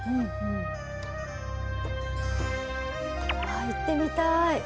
わあ行ってみたい！